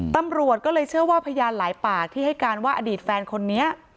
ตำรวจก็เลยเชื่อว่าพยานหลายปากที่ให้การว่าอดีตแฟนคนนี้